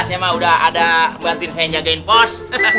saya mah udah ada mbak tin saya yang jagain pos